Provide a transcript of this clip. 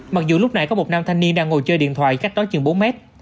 mặc dù lúc nãy có một nam thanh niên đang ngồi chơi điện thoại cách đó chừng bốn mét